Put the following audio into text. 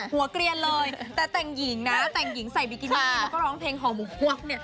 เกลียนเลยแต่แต่งหญิงนะแต่งหญิงใส่บิกินี่แล้วก็ร้องเพลงห่อหมกวกเนี่ย